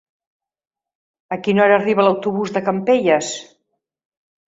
A quina hora arriba l'autobús de Campelles?